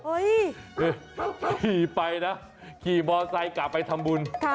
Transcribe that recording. ขี่ไปนะขี่มอไซค์กลับไปทำบุญ